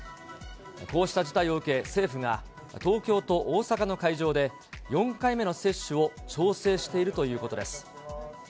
こうした事態を受け、政府が東京と大阪の会場で、４回目の接種を調整しているということです。